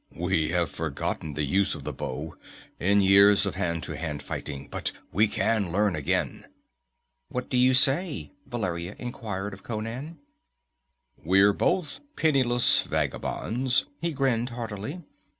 "We have forgotten the use of the bow, in years of hand to hand fighting, but we can learn again." "What do you say?" Valeria inquired of Conan. "We're both penniless vagabonds," he grinned hardily.